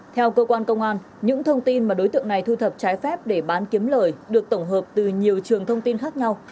theo cơ quan công an những thông tin mà đối tượng này thu thập trái phép để bán kiếm lời được tổng hợp từ nhiều trường thông tin khác nhau